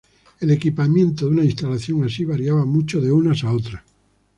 El equipamiento de una instalación así variaba mucho de unas a otras.